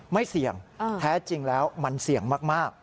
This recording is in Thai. ไม่เสี่ยงแท้จริงแล้วมันเสี่ยงมาก